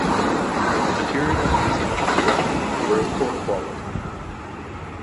The materials used in construction were of poor quality.